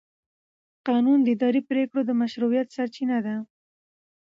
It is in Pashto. قانون د اداري پرېکړو د مشروعیت سرچینه ده.